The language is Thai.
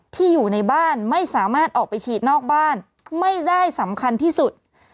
อยู่ในบ้านไม่สามารถออกไปฉีดนอกบ้านไม่ได้สำคัญที่สุด